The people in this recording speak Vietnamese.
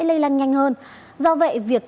lây lan nhanh hơn do vậy việc